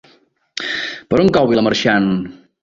Per on cau Vilamarxant?